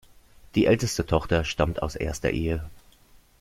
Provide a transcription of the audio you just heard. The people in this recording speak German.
Die älteste Tochter stammt aus erster Ehe.